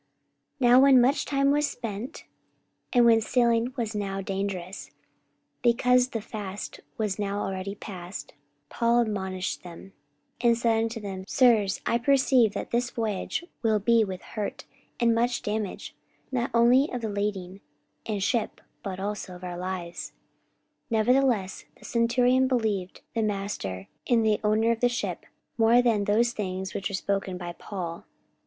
44:027:009 Now when much time was spent, and when sailing was now dangerous, because the fast was now already past, Paul admonished them, 44:027:010 And said unto them, Sirs, I perceive that this voyage will be with hurt and much damage, not only of the lading and ship, but also of our lives. 44:027:011 Nevertheless the centurion believed the master and the owner of the ship, more than those things which were spoken by Paul.